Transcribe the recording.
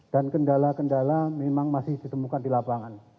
dan kendala kendala memang masih ditemukan di lapangan